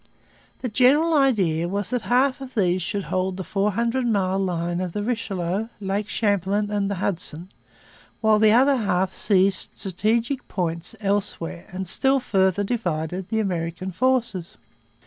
The general idea was that half of these should hold the four hundred mile line of the Richelieu, Lake Champlain, and the Hudson, while the other half seized strategic points elsewhere and still further divided the American forces.